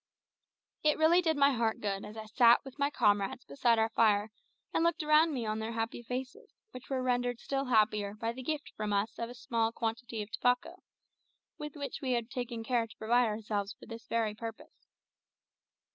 It really did my heart good as I sat with my comrades beside our fire and looked around me on their happy faces, which were rendered still happier by the gift from us of a small quantity of tobacco, with which we had taken care to provide ourselves for this very purpose.